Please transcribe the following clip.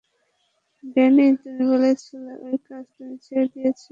Danny, তুই বলেছিলি এই কাজ তুই ছেড়ে দিয়েছিস।